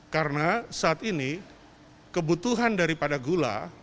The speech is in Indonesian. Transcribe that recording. karena saat ini kebutuhan daripada gula